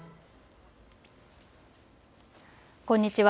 こんにちは。